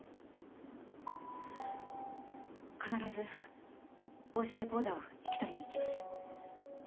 必ずボイスレコーダーを引き取りに行きます。